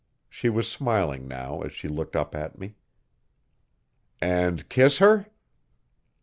She was smiling now as she looked up at me. 'And kiss her?'